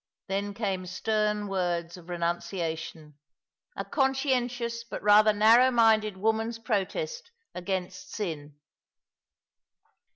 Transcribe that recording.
Then came stem words of renunciation, a conscien tious but rather narrow minded woman's protest against sin.